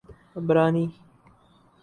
عبرانی